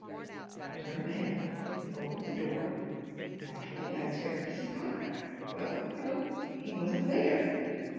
I turned the handle and opened the door. Naturally I expected to see Pyecraft. Well, you know, he wasn't there!